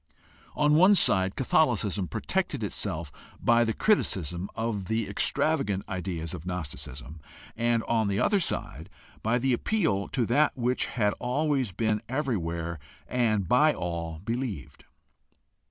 On one side Catholicism protected itself by the criticism of the extravagant ideas of Gnosticism and on the other side by the appeal to that which had been "always, everywhere, and by all" believed.